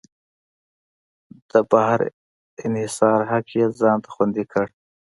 د بهر انحصار حق یې ځان ته خوندي کړ.